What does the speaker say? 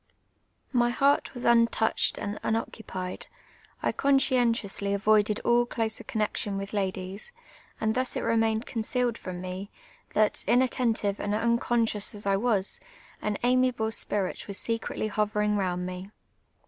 My heart was untt)uched and unoccupied ; I conscientiously avoided all closer connexion with ladies, and thus it re mained concealed from me, that, inattentive and unconscious as I was, an amiable sj)irit was secretly hoverin<j round me.